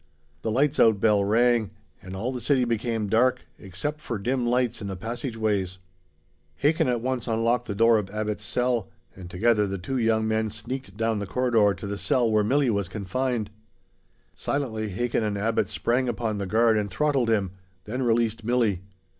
The lights out bell rang, and all the city became dark, except for dim lights in the passageways. Hakin at once unlocked the door of Abbot's cell, and together the two young men sneaked down the corridor to the cell where Milli was confined. Silently Hakin and Abbot sprang upon the guard and throttled him; then released Milli.